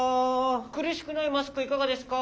くるしくないマスクいかがですか？